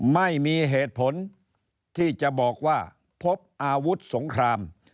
ไม่มีเหตุผลที่จะบอกว่าพบอาวุธสงคราม